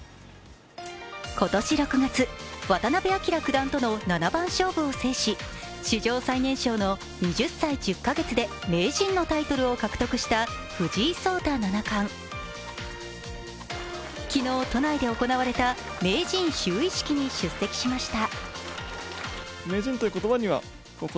今年６月、渡辺明九段との七番勝負を制し、史上最年少の２０歳１０か月で名人のタイトルを獲得した藤井聡太七冠、昨日都内で行われた名人就位式に出席しました。